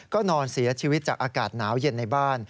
ก็นอนเสียชีวิตจากอากาศหนาวเย็นในบ้าน